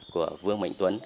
của vương mệnh tuấn